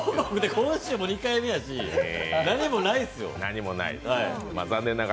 今週も２回目やし、何もないですよ。